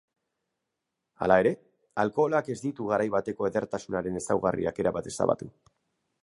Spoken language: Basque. Hala ere, alkoholak ez ditu garai bateko edertasunaren ezaugarriak erabat ezabatu.